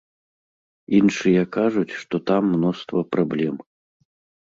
Іншыя кажуць, што там мноства праблем.